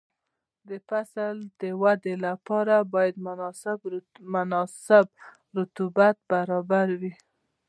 د فصل د ودې لپاره باید مناسب رطوبت برابر وي.